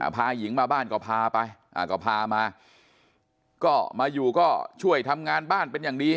พาหญิงมาบ้านก็พาไปก็พามาก็มาอยู่ก็ช่วยทำงานบ้านเป็นอย่างดี